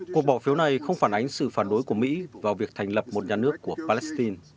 cuộc bỏ phiếu này không phản ánh sự phản đối của mỹ vào việc thành lập một nhà nước của palestine